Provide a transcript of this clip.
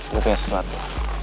gue punya sesuatu